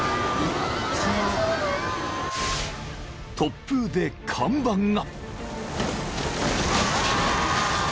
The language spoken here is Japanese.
［突風で看板が］